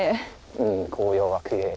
うん紅葉はきれい。